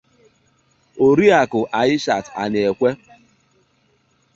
Oriakụ Aishat Anaekwe